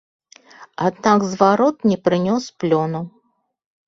Аднак зварот не прынёс плёну.